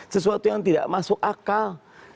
sesuatu yang tidak masuk akal